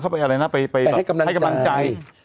ไปให้กำลังใจ